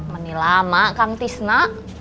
meni lama kang tisna